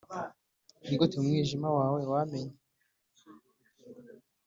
nigute, mu mwijima wawe, wamenye?